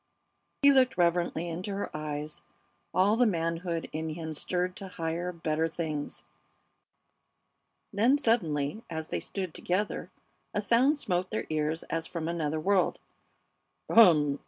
He looked reverently into her eyes, all the manhood in him stirred to higher, better things. Then, suddenly, as they stood together, a sound smote their ears as from another world. "Um! Ah!